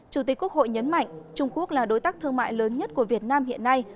chủ tịch quốc hội nhấn mạnh trung quốc là đối tác thương mại lớn nhất của việt nam hiện nay